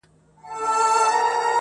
د چینار سر ته یې ورسیږي غاړه!!